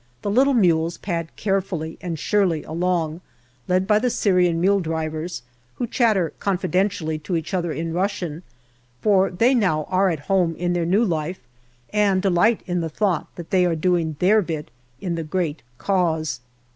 the little mules pad carefully and surely along, led by the Syrian mule drivers, who chatter confidentially to each other in Russian, for they now are at home in their new life, and delight in the thought that they are doing their bit in the great cause.